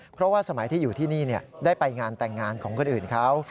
เพราะว่าสมัยที่อยู่ที่นี่ได้ไปงานแต่งงานของคนอื่นเขา